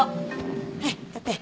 はい立って。